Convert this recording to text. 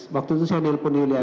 waktu itu saya nelfon julianis